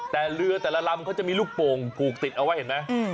แต่เรือแต่ละลำเขาจะมีลูกโป่งผูกติดเอาไว้เห็นไหม